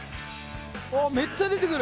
ああーめっちゃ出てくる！